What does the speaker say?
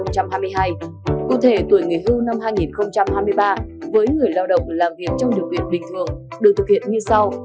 cụ thể tuổi nghỉ hưu năm hai nghìn hai mươi ba với người lao động làm việc trong điều kiện bình thường được thực hiện như sau